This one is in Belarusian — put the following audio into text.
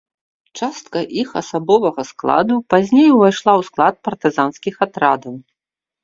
Частка іх асабовага складу пазней увайшла ў склад партызанскіх атрадаў.